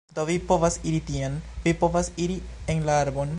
Do vi povas iri tien, vi povas iri en la arbon